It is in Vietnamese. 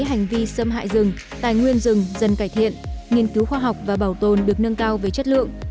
hành vi xâm hại rừng tài nguyên rừng dần cải thiện nghiên cứu khoa học và bảo tồn được nâng cao về chất lượng